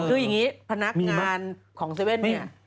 คืออย่างนี้พนักงานของ๗๑๑เนี่ย